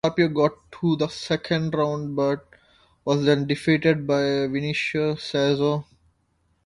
Carpio got to the second round, but was then defeated by Vinicio Cerezo.